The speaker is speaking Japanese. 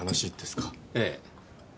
ええ。